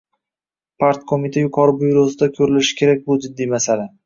Partqo‘mita yuqori byurosida ko‘rilishi kerak bu “jiddiy” masala